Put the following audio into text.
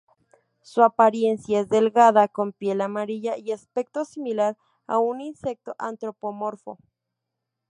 Su apariencia es delgada, con piel amarilla y aspecto similar a un insecto antropomorfo.